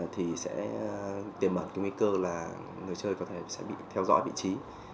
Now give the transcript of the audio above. thì sẽ tiêm ẩn cái nguy cơ là người chơi có thể sẽ bị theo dõi vị trí